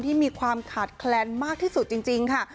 ที่มีความขาดแคลนมากที่สุดจริงค่ะ